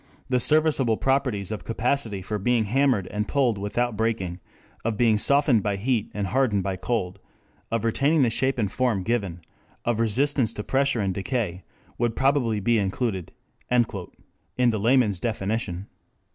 the serviceable properties of capacity for being hammered and pulled without breaking, of being softened by heat and hardened by cold, of retaining the shape and form given, of resistance to pressure and decay, would probably be included" in the layman's definition.